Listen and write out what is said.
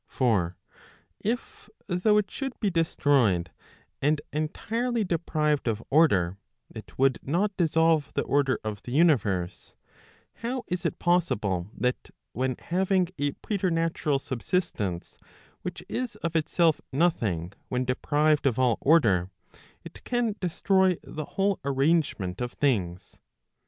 For, if though it should be destroyed and entirely deprived of order, it would not dissolve the order of the universe, how is it possible that when having a preternatural subsistence which is of itself nothing when deprived of all order, it can destroy the whole arrangement of things?